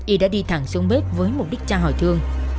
y đã đi thẳng xuống bếp với mục đích tra hỏi thương